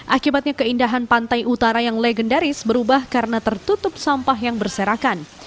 akibatnya keindahan pantai utara yang legendaris berubah karena tertutup sampah yang berserakan